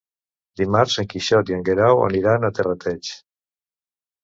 Dimarts en Quixot i en Guerau aniran a Terrateig.